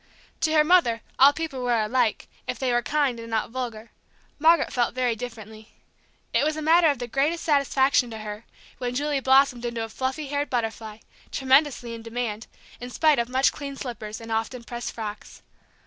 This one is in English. To her mother all people were alike, if they were kind and not vulgar; Margaret felt very differently. It was a matter of the greatest satisfaction to her when Julie blossomed into a fluffy haired butterfly, tremendously in demand, in spite of much cleaned slippers and often pressed frocks.